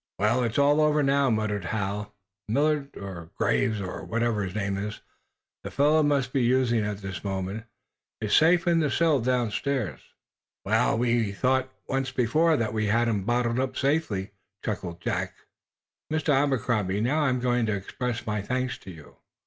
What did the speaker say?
"Well, it's all over now," muttered Hal. "Millard or Graves or whatever other name the fellow may be using at this moment is safe in a cell downstairs." "We thought, once before, that we had him bottled up safely," chuckled Lieutenant Jack. "Mr. Abercrombie, how am I ever going to express my thanks to you?"